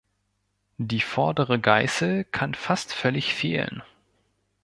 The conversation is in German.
Die vordere Geißel kann fast völlig fehlen.